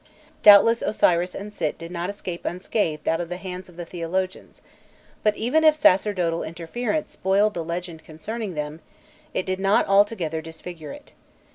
Doubtless Osiris and Sît did not escape unscathed out of the hands of the theologians; but even if sacerdotal interference spoiled the legend concerning them, it did not altogether disfigure it.